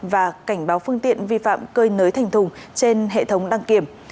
và cảnh báo phương tiện vi phạm cơi nới thành thùng trên hệ thống đăng kiểm